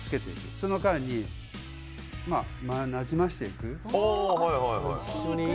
その間になじませていく。